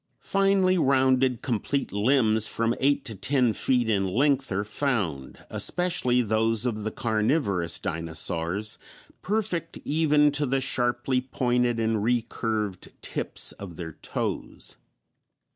Finely rounded, complete limbs from eight to ten feet in length are found, especially those of the carnivorous dinosaurs, perfect even to the sharply pointed and recurved tips of their toes.